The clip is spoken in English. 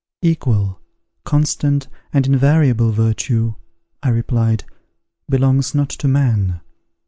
"Equal, constant, and invariable virtue," I replied, "belongs not to man.